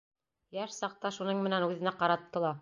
Йәш саҡта шуның менән үҙенә ҡаратты ла.